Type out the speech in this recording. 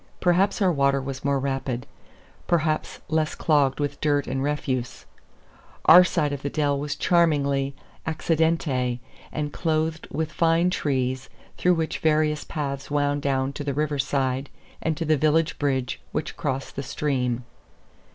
Perhaps our water was more rapid; perhaps less clogged with dirt and refuse. Our side of the dell was charmingly accidenté, and clothed with fine trees, through which various paths wound down to the river side and to the village bridge which crossed the stream.